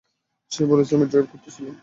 সে বলেছে আমি ড্রাইভ করতেছিলাম?